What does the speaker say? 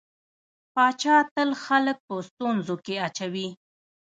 پاچا تل خلک په ستونزو کې اچوي.